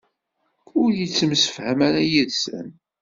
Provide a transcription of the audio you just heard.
Ur yettemsefham ara yid-sen?